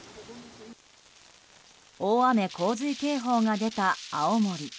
大雨・洪水警報が出た青森。